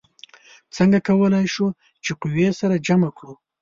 څنګه کولی شو چې قوې سره جمع کړو؟